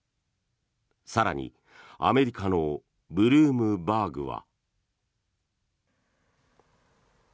更にアメリカのブルームバーグは。